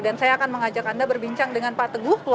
dan saya akan mengajak anda berbincang dengan pak teguh